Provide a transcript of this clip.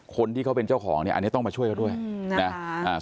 คนที่เขาเป็นเจ้าของเนี่ยอันนี้ต้องมาช่วยเขาด้วยนะ